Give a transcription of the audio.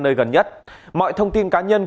nơi gần nhất mọi thông tin cá nhân